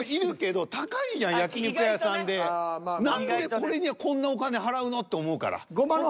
何でこれにこんなお金払うの？と思うから。